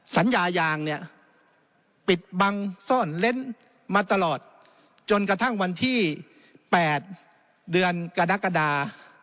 สัญญายางเนี่ยปิดบังซ่อนเล้นมาตลอดจนกระทั่งวันที่๘เดือนกรกฎา